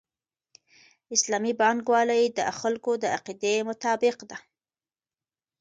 اسلامي بانکوالي د خلکو د عقیدې مطابق ده.